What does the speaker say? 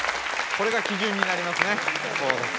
これが基準になりますね。